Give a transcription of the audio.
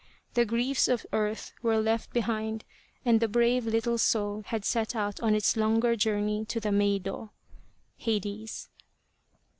The griefs of earth were left behind and the brave little soul had set out on its longer journey to the Meido (Hades).